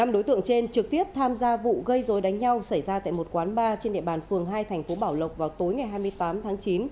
năm đối tượng trên trực tiếp tham gia vụ gây dối đánh nhau xảy ra tại một quán bar trên địa bàn phường hai thành phố bảo lộc vào tối ngày hai mươi tám tháng chín